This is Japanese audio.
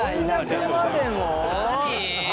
何？